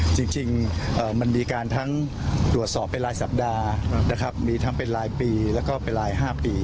จริงมันมีการทั้งตรวจสอบไปรายสัปดาห์มีทั้งไปรายปีแล้วก็ไปราย๕ปี